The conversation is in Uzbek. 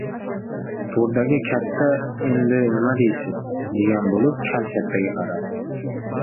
To‘rdagi katta endi nima deysiz, degan bo‘lib, kal kattaga qaradi.